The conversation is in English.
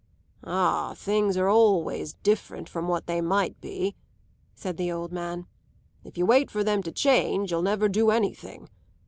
"Ah, things are always different from what they might be," said the old man. "If you wait for them to change you'll never do anything.